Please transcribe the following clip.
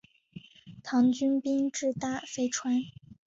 唐军兵至大非川。